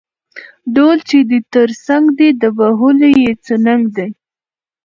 ـ ډول چې دې تر څنګ دى د وهلو يې څه ننګ دى.